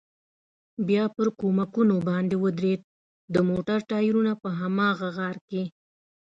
بیا پر کومکونو باندې ودرېد، د موټر ټایرونه په هماغه غار کې.